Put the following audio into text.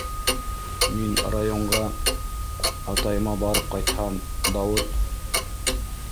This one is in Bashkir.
Мин районға... атайыма барып ҡайтһам, Дауыт...